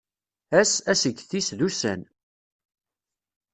Ass asget-is d ussan.